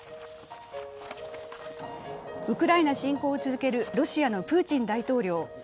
ウクライナ侵攻を続けるロシアのプーチン大統領。